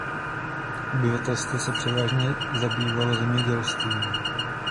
Obyvatelstvo se převážně zabývalo zemědělstvím.